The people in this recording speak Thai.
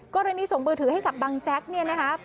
กรณีส่งมือถือให้กับบังแจ๊กเนี่ยนะคะ